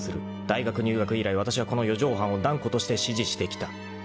［大学入学以来わたしはこの四畳半を断固として支持してきた］